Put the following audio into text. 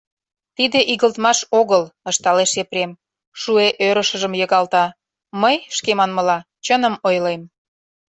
— Тиде игылтмаш огыл, — ышталеш Епрем, шуэ ӧрышыжым йыгалта.— Мый, шке манмыла, чыным ойлем.